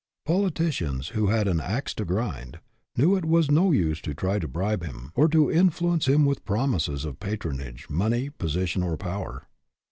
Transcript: Politicians who had an " ax to grind " knew it was no use to try to bribe him, or to influence him with promises of patronage, money, position, or power.